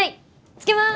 つけます。